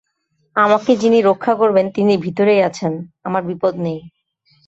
আমাকে যিনি রক্ষা করবেন তিনি ভিতরেই আছেন, আমার বিপদ নেই।